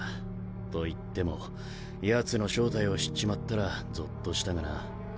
といってもヤツの正体を知っちまったらゾッとしたがな。